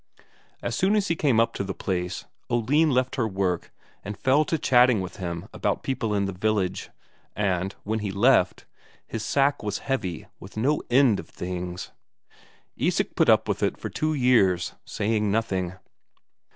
As soon as he came up to the place, Oline left her work and fell to chatting with him about people in the village, and, when he left, his sack was heavy with no end of things. Isak put up with it for two years, saying nothing.